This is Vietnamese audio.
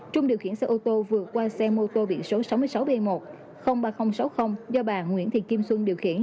trung điều khiển xe ô tô vừa qua xe mô tô biển số sáu mươi sáu b một ba nghìn sáu mươi do bà nguyễn thị kim xuân điều khiển